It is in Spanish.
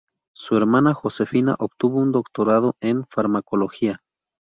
Su hermana, Josefina, obtuvo un doctorado en Farmacología.